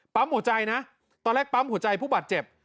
หัวใจนะตอนแรกปั๊มหัวใจผู้บาดเจ็บ